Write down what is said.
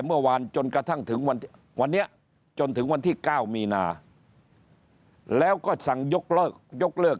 เมื่อวานจนกระทั่งถึงวันนี้จนถึงวันที่๙มีนาแล้วก็สั่งยกเลิกยกเลิก